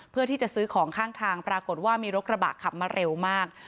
เพื่อที่จะซื้อของข้างทางปรากฏว่ามีรถกระบะขับมาเร็วมาก